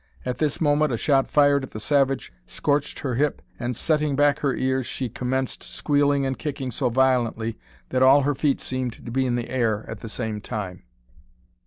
At this moment a shot fired at the savage scorched her hip, and, setting back her ears, she commenced squealing and kicking so violently that all her feet seemed to be in the air at the same time.